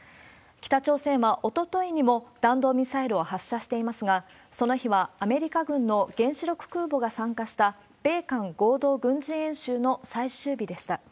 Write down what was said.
北朝鮮はおとといにも弾道ミサイルを発射していますが、その日はアメリカ軍の原子力空母が参加した、米韓合同軍事演習の最終日でした。